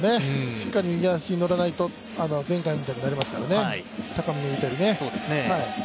しっかり右足に乗らないと前回みたいになりますからね、高めに浮いたりね。